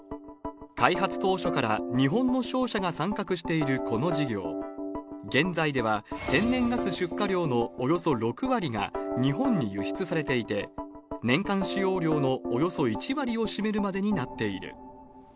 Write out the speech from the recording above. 開発当初から日本の商社が参画しているこの事業、現在では天然ガス出荷量のおよそ６割が日本に輸出されていて、年間使用量のおよそ１割を占めるまでになっている。